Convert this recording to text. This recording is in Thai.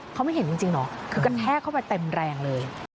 เขาไม่เห็นจริงเหรอคือกระแทกเข้าไปเต็มแรงเลย